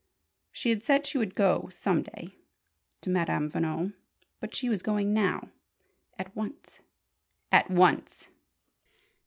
She had said she would go "some day" to Madame Veno. But she was going now at once at once!